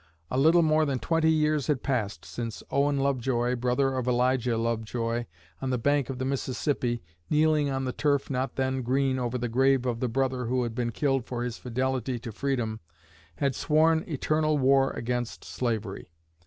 A little more than twenty years had passed since Owen Lovejoy, brother of Elijah Lovejoy, on the bank of the Mississippi, kneeling on the turf not then green over the grave of the brother who had been killed for his fidelity to freedom, had sworn eternal war against slavery.